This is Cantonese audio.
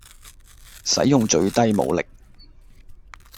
使用最低武力